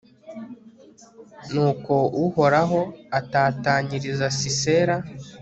nuko uhoraho atatanyiriza sisera